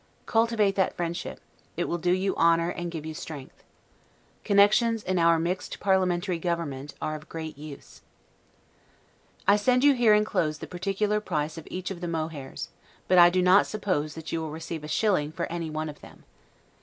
Cultivate that friendship; it will do you honor and give you strength. Connections, in our mixed parliamentary government, are of great use. I send you here inclosed the particular price of each of the mohairs; but I do not suppose that you will receive a shilling for anyone of them.